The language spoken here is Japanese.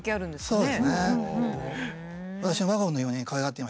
そうですね。